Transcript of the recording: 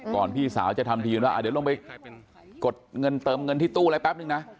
พี่สาวจะทำทีว่าเดี๋ยวลงไปกดเงินเติมเงินที่ตู้อะไรแป๊บนึงนะ